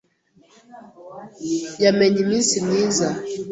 Yamenye iminsi myiza.